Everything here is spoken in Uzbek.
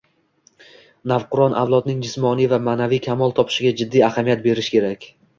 Navqiron avlodning jismoniy va maʼnaviy kamol topishiga jiddiy ahamiyat berish kerak.